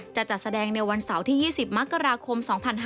จะจัดแสดงในวันเสาร์ที่๒๐มกราคม๒๕๕๙